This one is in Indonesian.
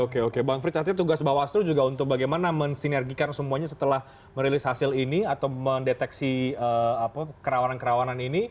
oke oke bang frits artinya tugas bawaslu juga untuk bagaimana mensinergikan semuanya setelah merilis hasil ini atau mendeteksi kerawanan kerawanan ini